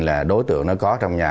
là đối tượng nó có trong nhà